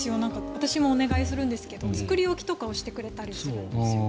私もお願いするんですけど作り置きとかをしてくれたりとかするんですよ。